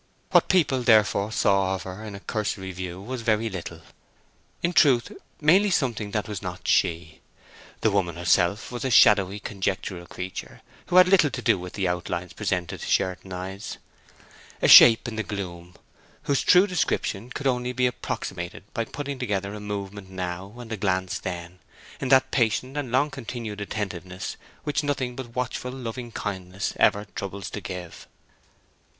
What people, therefore, saw of her in a cursory view was very little; in truth, mainly something that was not she. The woman herself was a shadowy, conjectural creature who had little to do with the outlines presented to Sherton eyes; a shape in the gloom, whose true description could only be approximated by putting together a movement now and a glance then, in that patient and long continued attentiveness which nothing but watchful loving kindness ever troubles to give.